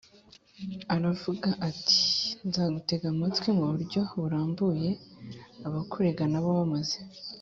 Aravuga ati nzagutega amatwi mu buryo burambuye abakurega na bo bamaze